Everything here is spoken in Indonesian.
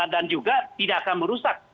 dan juga tidak akan merusak